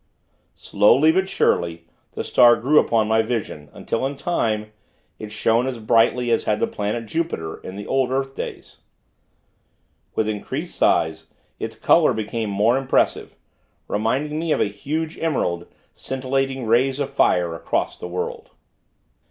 Slowly, but surely, the star grew upon my vision, until, in time, it shone as brightly as had the planet Jupiter, in the old earth days. With increased size, its color became more impressive; reminding me of a huge emerald, scintillating rays of fire across the world.